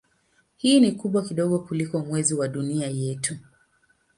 Hii ni kubwa kidogo kuliko Mwezi wa Dunia yetu.